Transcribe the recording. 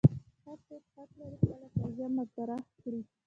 هر څوک حق لري خپل قضیه مطرح کړي.